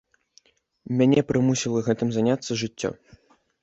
Мяне прымусіла гэтым заняцца жыццё.